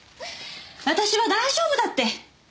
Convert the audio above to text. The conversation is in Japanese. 私は大丈夫だって。